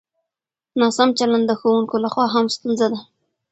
ناسم چلند د ښوونکو له خوا هم ستونزه ده.